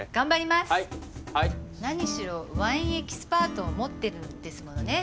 何しろワインエキスパートを持ってるんですものね。